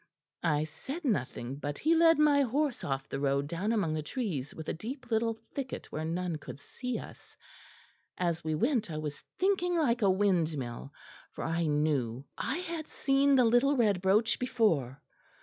I said nothing, but he led my horse off the road down among the trees with a deep little thicket where none could see us. As we went I was thinking like a windmill; for I knew I had seen the little red brooch before.